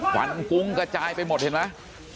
ขวัญกุ้งกระจายไปหมดเห็นมั้ย